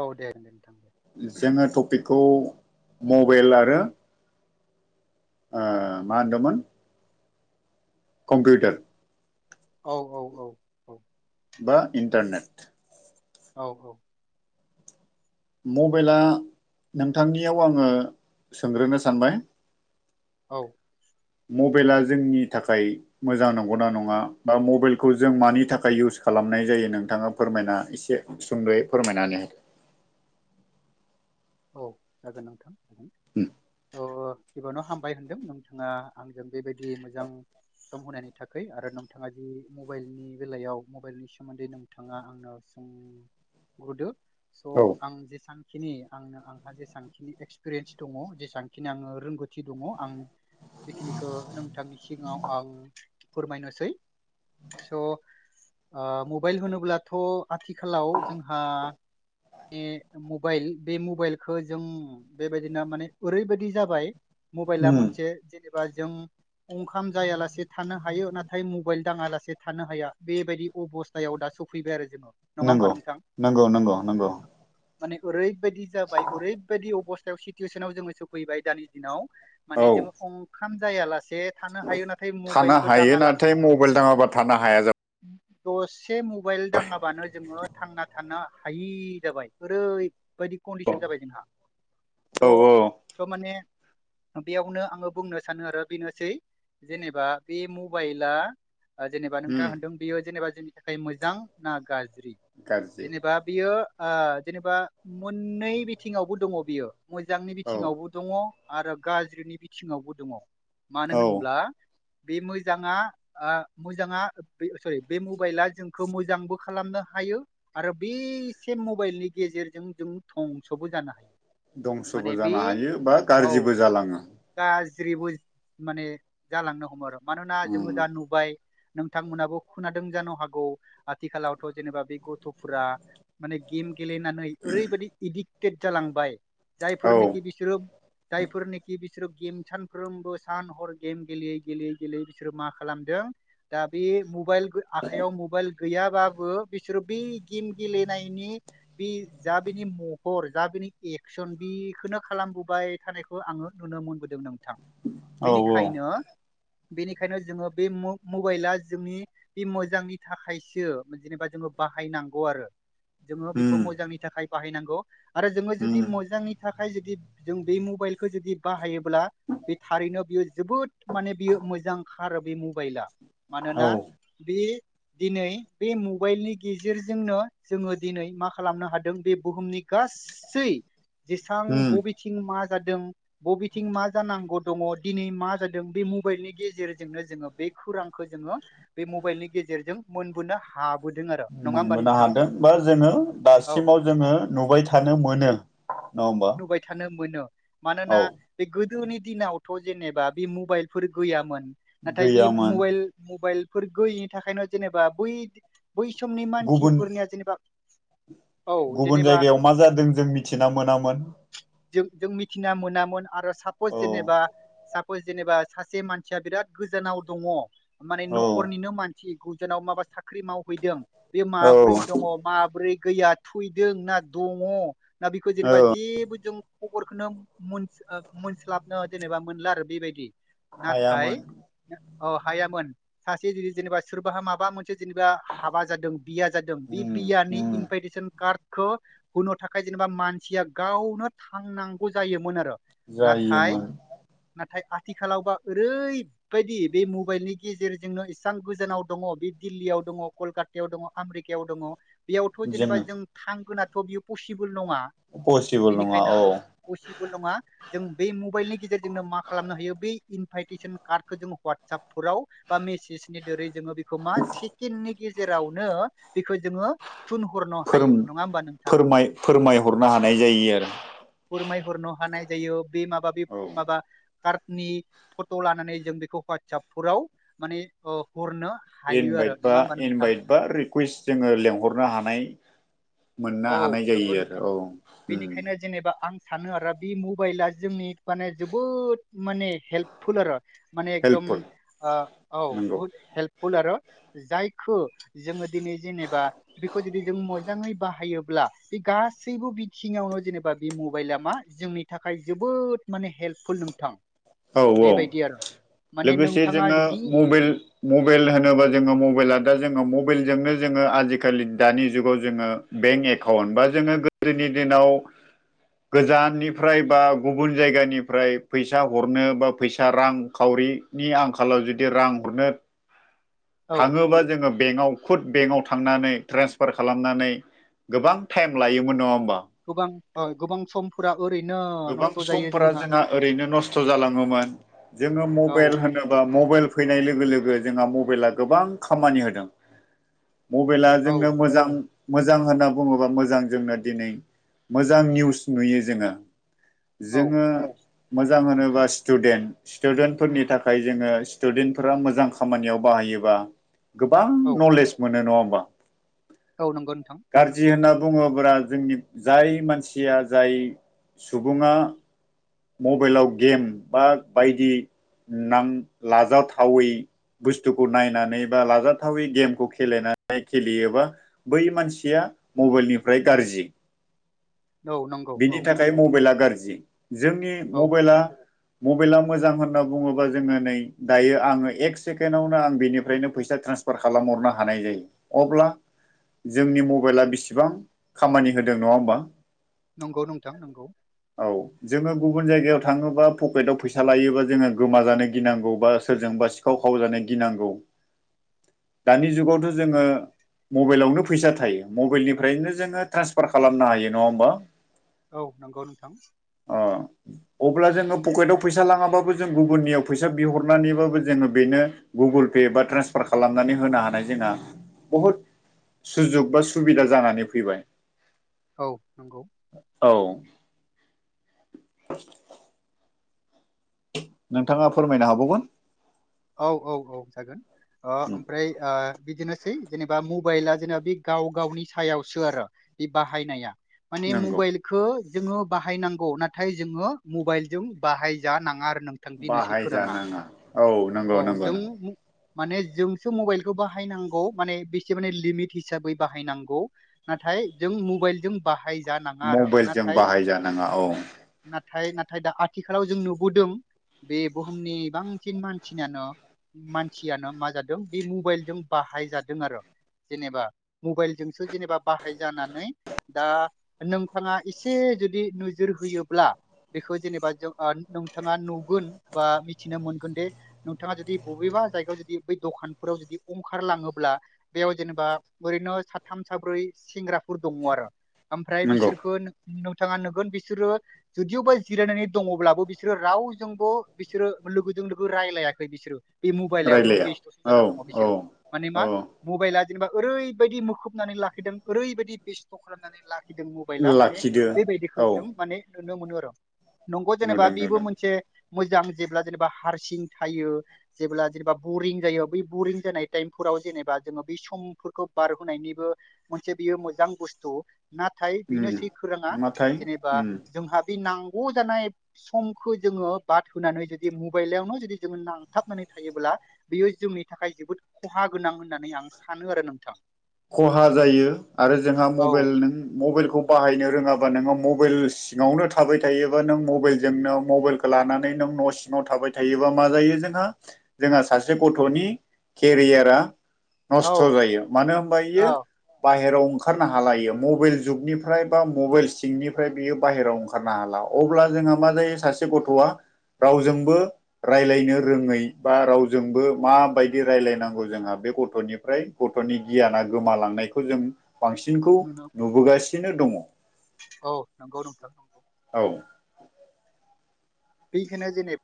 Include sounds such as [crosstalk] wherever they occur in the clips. औ दे। दे जोङो टपिकखौ। मबाइल आरो ओ मा होनदोंमोन। कम्पिउटार औ औ औ औ। बा इन्टारनेट औ औ। मबाइला नोंथांनियाव आङो सोंग्रोनो सानबाय। औ मबाइला जोंनि थाखाय मोजां नंगौना नङा बा मबाइलखौ जों मानि थाखाय इउस खालामनाय जायो नोंथाङा फोरमायना एसे सुंद'यै फोरमायनानै हो। औ जागोन नोंथां। जागोन उम थ' गिबियावनो हामबाय होनदों नोंथाङा आंजों बेबायदि मोजां सम होनायनि थाखै आरो नों उ गुदो स' औ आं जेसांखिनि आंनो आंहा जेसांखिनि एक्सपिरियेन्स दङ जेसांखिनि आङो रोंगौथि दङ आं बेखिनिखौ नोंथांनि सिगाङाव आं फोरमायनोसै। स' ओ मबाइल होनोब्लाथ' आथिखालाव जोंहा ए मबाइल बे मबाइलखो जों बेबायदिनो माने ओरैबायादि जाबाय मबाइला उम मोनसे जेने बा जों ओंखाम जायालासे थानो हायो नाथाय मबाइल दाङालासे थानो हाया बेबायदि अबस्थायाव दा सिफैबाय आरो जोङो। नङा होमबा नंगौ नोंथां नंगौ नंगौ नंगौ। माने ओरैबायदि जाबाय ओरैबायदि अबस्थायाव सिटुवेसनाव जोङो सोफैबाय दानि दिनाव औ माने जेबो खाम खाम जायालासे। जे थानो हायो नाथाय थानो मबाइलखौ हायो दाङा लासे नाथाय मबाइल दाङाबा थानो हाया जाब दसे एसे मबाइल दाङाबानो जोङो थांना थानो हायि जाबाय ओरै बायदि कन्दिसन जाबाय जोंहा औ स' औ स' माने बेयावनो आङो बुंनो सानो आरो बेनोसै। जेनेबा बे मबाइला। ओ जेनेबा उम नोंथाङा होनदों बेयो जेनेबा जोंनि थाखाय मोजां ना गाज्रि गाज्रि जेनेबा बियो। ओ जेनेबा मोननै बिथिङावबो दङ बियो मोजांनि औ बिथिङावबो दङ आरो गाज्रिनि बिथिङावबो दङ मानो औ होनब्ला बे मोजाङा आ मोजाङा बे सरि बे मबाइला जोंखौ मोजांबो खालामनो हायो आरो बेसे के मबाइलनि गेजेरजों जों धंसबो जानो हायो दंसबो माने बे जानो हायो बा औ गाज्रिबो जालाङो [unintelligible] माने जालांनो हमो आरो मानोना जोङो उम दा नुबाय नोंथांमोनाबो खोनादों जानो हागौ आथिखालावथ जेनेबा बे गथफोरा माने गेम गेलेनानै ओरैबायाददि एदिक्टेड जालांबाय औ जायफोरनिखि बिसोरो जायफोरनिखि बि बिसोर गेम सानफ्रोमबो सान हर गेम गेलेयै गेलेयै गेलेयै बिसोरो मा खालामदों दा बे बे मबाइल आखाइयाव मबाइल गैयाबाबो बिसोरो बेै गेम गेलेनायनि बि जा बिनि महर जा बिनि एक्सन बिखौनो खालामबोबाय थानायखौ आङो नुनो मोनबोदों नोंथां औ बिनिखायनो बेनिखायनो जोङो बे मबाइला जोंनि बे मोजांनि थाखायसो जेनेबा जों बाहायनांगौ आरो जोङो बेखौ उम मोजांनि थाखाय बाहायनांगौ आरो जोङो जुदि उम मोजांनि थाखाय थाय जुदि जों बे मबाइलखौ जुदि बाहायोब्ला बे थारैनो बियो जोबोद माने बियो मो मोजां खार बे मबाइला औ मानोना बे दिनै बे मबाइलनि गेजेरजोंनो जोङो दिनै मा खालामनो हाद जों बे बुहुमनि गासै जेसां उम बबेथिं मा जादों बबेथिं मा जानांगौ दङ दिनै मा जादों बे मबाइलनि गेजेरजोंनो जोङो बे खुरांखौ जोङो बे मबाइलनि गेजेरजों मोनबोनो हाब मोनबोनो हादों बा जोङो औ दासिमाव जोङो नुबाय थानो मोनो। नङा होमबा नुबाय थानो मोनो मानोना औ बे गो गोदोनि दिनावथ जेनेबा बे मबाइलफोर गैयामोन नाथाय बे गैयामोन मबाइल मबाइल फोर गैयिनि थाखायनो जेनेबा बै बै समनि गुबुन मानसिफोरनिया जेनेबा औ गुबुन जेनेबा जायगायाव मा जादों जों मिथिना मोनामोन। जों जों मिथिना मोनामोन आरो सापस औ जेनेबा सापस जेनेबा सासे मानसिया बिराद गोजानाव दङ माने औ नखरनिनो मानसि गोजानाव माबा साख्रि मावहैदों बे औ माब्रै दङ माब्रै गैया थुयदों ना दङ ना बेखौ जेनेबा औ जेबो जों खबरखौनो मोनस ओ मोनस्लाबनो जेनेबा मोनला आरो बेबायदि नाथाय हायामोन अ हायामोन सासे जुदि जेनेबा सोरबाहा माबा मोनसे जेनेबा हाबा जादों बिया जादों बे उम बियानि उम इनभाइटेसन कार्ड खो होनो थाखाय जेनेबा मानसिया गावनो थांनांगौ जायोमोन आरो नाथाय जायोमोन नाथाय आ आथिखालावबा ओरैबायदि बे मबाइलनि गेजेरजोंनो इसेबां गोजानाव दङ बे दिल्लीयाव दङ कलकातायाव दङ आमेरिकायाव दङ बेयावथ जेनेबा जोङो जों थांगोनाथ बियो पसिबोल नङा पसिबोल नङा औ बेनिखायनो पसिबोल नङा जों बे मबाइलनि गेजेर मा खालामनो हायो बे इेपाइटिसोन कार्ड जो वाटसाबफोराव बा मसेसनि दोरै जोङो बेखौ मा सिकेन्दनि गेजेरावनो बेखौ जोङो थुनहरनो फोरम हायो नङा होमबा नोंथां फोर फोरमायहरनो हानाय जायो आरो फोरमायहरनो हानाय जायो बे माबा बे औ माबा कार्डनि फट लानानै जों बेखौ हवाटसपफोराव माने हरनो हायो आरो नङा होमबा नोंथां? कुइस जोङो लेंहरनो हानाय मोननो औ हानाय नंगौ जायो आरो नोंथां औ उ बेनिखायनो जेनेबा आं सानो आरो बे मबाइला जोंनि माने जोबोद माने हेल्पफुल आरो माने एकदम हेल्पफुल ओ औ नंगौ बहुत हेल्प फुल आरो जायखौ जोङो दिनै जेनेबा बेखौ जुदि जों मोजाङै बाहा हायोब्ला बे गासैबो बिथिङावनो जेनेबा बे मबाइला मा जोंनि थाखाय जोबोद मान ने हेल्पफुल नोंथां औ औ बेबायदि आरो माने लोगोसे नोंथाङा जोङो जि मबाइल मबाइल होनोबा जोङो मबाइला दा जोङो मब बाइलजोंनो जोङो आजिखालि दानि जुगाव जोङो बेंक एकाउन्ट बा जोङो गोदोनि दिनाव गोजाननिफ्राय बा गुबुन जायगानिफ्राय फैसा हरनो बा फैसा रां खावरिनि आंखालाव जुदि रां हरनो औ थाङोबा जोङो बेङाव खुद बेआव थांनानै ट्रेसफार खालामनानै गोबां टाइम लायोमोन न गोबां ओ गोबां समफोरा ओरै गोबां समफोरा जोंहा ओरैनो नस्थ' जालाङोमोन जोङो औ मबाइल होनोब्ला मबाइल बेल फैनाय लोगो लोगो गो जोंहा मबाइला गोबां खामानि होदों मबाइला औ जोंनो मोजां मोजां होनना बुङोबा मोजां जोंनो दिनै मोजां निउस नुयो जोङो औ जोङो मोजां होनोबा स्टुडेन्ट स्टुडेन्टफोरनि थाखाय जोङो स्टुडेन्टफोरा मोजां खामानियाव बाहायो योबा गोबां औ नलेज मोनो नङा होमबा औ नंगौ नोंथां गाज्रि होनना बुङोब्ला जोंनि जाय मानसिया जाय सुबुङा मबाइलाव गेम बा बायदि नां लाजाथावै बुस्थुखौ नायनानै बा लाजाथावै गेमखौे खेलेनानै खेलेयोबा बै मानसिया मबाइलनिफ्राय गाज्रि औ नंगौ बिनि औ थाखाय मबाइला गाज्रि जोंनि औ मबाइला मबाइला मोजां होनना बुङोबा जोङो नै दायो आङो एक सेकेन्डावनो आं बिनिफ्रायनो फैसा ट्रान सफार खालामहरनो हानाय जायो अब्ला जोंनि मबाइला बिसिबां खामानि होदों नङा होमबा नंगौ नोंथां नंगौ औ जोङो गुबुन जायगायाव थाङोबा पकेटआव फैसा लायोबा जोङो गोम जानो गिनांगौबा सोरजों बा सिखाव खाव जानो गिनांगौ दानि जुगावथ' जोङो मबाइलावनो फैसा थायो मबाइलनिफ्रायनो जोङो ट्रेन्सफार खालामनो हायो नङा होमबा औ नंगौ नोंथां अ अब्ला जोङो पकेटआव फैसा लाङाबाबो जों गुबगुननियाव फैसा बिहरनानैबाबो जोङो बेनो गुगोल पे बा ट्रेन्सफार खालामनानै होनो हानाय जोंना बुहुत सुजुग बा सुबिदा जानानै फैबाय औ नंगौ औ नोंथाङा फोरमायनो हाबावगोन औ औ औ जागोन ओ ओमफ्राय ओ बिदिनोसै जेनेबा मबाइला जेनेबा बे गाव गावनि सायावसो आरो बे बाहायनाया माने नंगौ मबाइलखो जोङो बाहायनांगौ नाथाय जोङो मबाइल जों बाहायजानाङा आरो नोंथां बेनोसै खौराङा बाहायजानाङा औ औ नंगौ नंगौ जों नंगौ माने जोंसो मबाइलखौ बाहायनांगौ माने बेसे माने लिमिट हिसाबै बाहायनांगौ नाथाय जों मबाइ जों बाहाय मबाइलजों बाहायजानाङा औ थाय नाथाय दा आथिखालाव जों नुबोदों बे बुहुमनि बांसिन मानसि सियानो मानसियानो मा जादों बे मबाइलजों बाहायजादों आरो जेनेबा मबाइलजोंसो जेनेबा बाहाय जानानै दा नोंथाङा एसे जुदि नोजोर होयोब्ला बेखौ जेनेबा जों ओ नोंथाङा नुगोन बा मिथिनो मोनगोन दि नोंथाङा जुदि बबेबा जायगायाव जुदि बै दखानफोराव जुदि ओंखारलाङोब्ला बेयाव जेनेबा बोरै नो साथाम साब्रै सेंग्राफोर दङ' आरो ओमफ्राय नंगौ बिसोरखौ थाङा नुगोन बिसोरो जुदिअबा जिरायनानै दङब्लाबो बिसोरो रावजोंबो बिसोरो लोगो जों लोगो रायलायाखै बिसोरो बे मबाइलावनो रायलाया बेस्थ'सो औ जानानै दङ औ बिसोरो माने मा औ मबाइला जेनेबा ओरैबायदि मोखबनानै लाखिदों ओरैबायदि बेस्थ' खालामनानै लाखिदों गिदों मबाइला माने लाखिदो बेबायदिखौ औ जों माने नुनो मोनो आरो नंगौ जेनेबा नुदों बेबो नुदों मोनसे मोजां जेब्ला जेनेबा हारसिं हायो जेब्ला जेनेबा बरिं जायो बै बरिं जानाय टाइमफोराव जेनेबा जोङो बै समफोरखौ बार होनायनिबो मोनसे बियो मोजां बुस्थु नाथाय उम बेनोसै खुराङा नाथाय जेनेबा उम जोंहा बे नां ज जानाय समखौ जोङो बाद होनानै जुदि मबाइलावनो जुदि जोङो नांथाबनानै थायोब्ला बेयो जोंनि थाखाय जोबोद खहा गोनां होननानै आं सानो आरो नोंथां खहा जायो आरो जोंहा औ मबाइल नों मबाइल खौ बाहायनो रोङाबा नोङो मबाइल सिङावनो थाबाय थायोबा नों मबाइलजोंनो मबाइलखौ लानानै नों न' सिङाव थाबाय थायोबा मा जायो जोंहा जोंहा सासे गथ'नि केरियारा औ नस्थ' जायो मानो होनबा इयो औ बा बाहेरायाव ओंखारनो हाला इयो मबाइल जुगनिफ्राय बा मबाइल सिंनिफ्राय बियो बायहेरायाव ओंखारनो हाला अब्ला जोंहा मा जायो सासे गथ'आ रावजोंबो रायलायनो रोङै बा रावजोंबो माबायदि रायलायनांगौ जोंहा बे गथ'निफ्राय गथ'नि गियाना गोमालांनायखौ जों बांसिनखौ नुबोगासिनो दङ औ नंगौ नोंथां औ बेखौनो जेने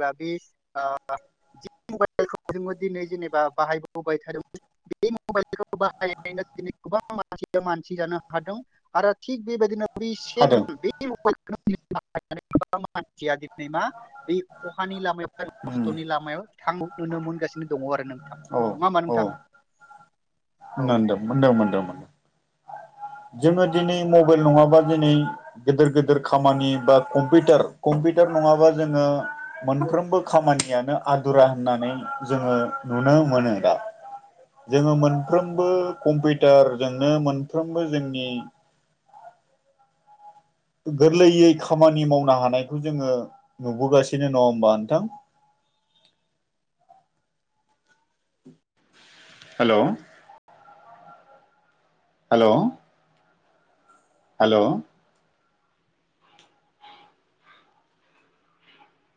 बा बे जि मबाइलखौ जोङो दिनै जेनेबा बाहायबोबाय थादोंमोन बे मबाइलखौ बाहायनो दिनै गोबां मानसिया मानसि जानो हादों आरो थिग बेबायदिनो बेसिम हादों बे [unintelligible] गोबां मानसिया दिनै मा बे खहानि लामायाव उम नस्थ'नि लामायाव थां नुनो मोनगासिनो दङ आरो नों नङा होमबा नोंथां औ नोनदों मोनदों मोनदों मोनदों। जोङो दिनै मबाइल नङाबा दिनै गोदिर गोदेर खामानि बा कम्पिउटार कमफि म्पिउटार नङाबा जोङो मोन खामानियानो आदुरा होननानै जोङो नुनो नुनो मोनो बा जोङो मोनफ्रोमबो कम्पिउटारजोंनो मोनफ्रोम बो जोंनि गोरलैयै खामानि मावनो हानायखौ जोङो नुबोगासिनो नङा होमबा नोंथां [unintelligible] हेल' हेल' हेल'